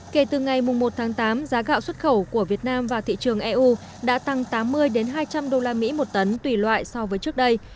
kể từ ngày một tháng tám giá gạo xuất khẩu của việt nam vào thị trường eu đã tăng tám mươi hai trăm linh usd một tấn tùy loại so với trước đây